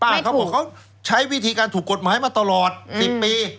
เขาบอกเขาใช้วิธีการถูกกฎหมายมาตลอด๑๐ปี